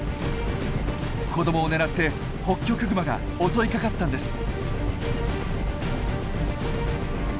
子どもを狙ってホッキョクグマが襲いかかったんです！